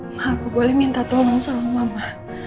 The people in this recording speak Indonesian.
maaf aku boleh minta tolong sama mama